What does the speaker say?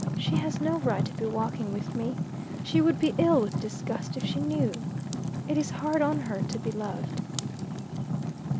She has no right to be walking with me. She would be ill with disgust if she knew. It is hard on her to be loved."